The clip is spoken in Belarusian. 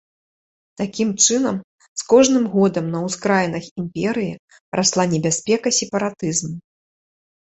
Такім чынам, з кожным годам на ўскраінах імперыі расла небяспека сепаратызму.